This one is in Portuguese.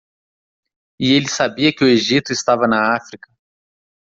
E ele sabia que o Egito estava na África.